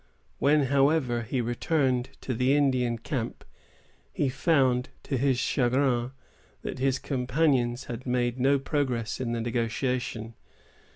When, however, he returned to the Indian camp, he found, to his chagrin, that his companions had made no progress in the negotiation.